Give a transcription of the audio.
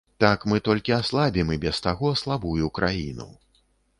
Так мы толькі аслабім і без таго слабую краіну.